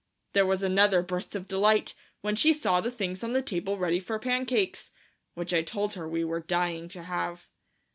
There was another burst of delight when she saw the things on the table ready for pancakes, which I told her we were dying to have.